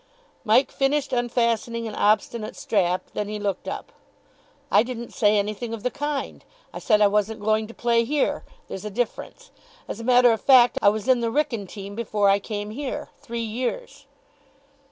Mike finished unfastening an obstinate strap. Then he looked up. "I didn't say anything of the kind. I said I wasn't going to play here. There's a difference. As a matter of fact, I was in the Wrykyn team before I came here. Three years."